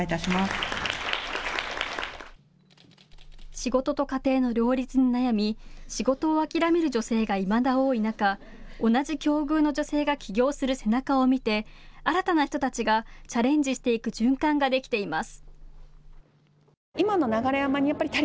仕事と家庭の両立に悩み仕事を諦める女性がいまだ多い中、同じ境遇の女性が起業する背中を見て新たな人たちがチャレンジしていく循環ができています。